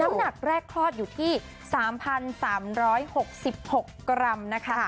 หนักแรกคลอดอยู่ที่๓๓๖๖กรัมนะคะ